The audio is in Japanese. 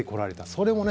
それもね